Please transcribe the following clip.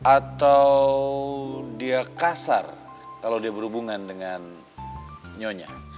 atau dia kasar kalau dia berhubungan dengan nyonya